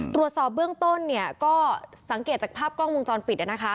ตัวสอบเบื้องต้นก็สังเกตจากภาพกล้องมุมจรฟิต